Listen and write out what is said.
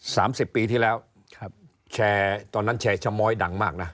สิบปีที่แล้วครับแชร์ตอนนั้นแชร์ชะม้อยดังมากน่ะ